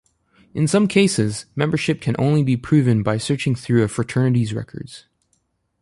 In some cases, membership can only be proven by searching through a fraternity's records.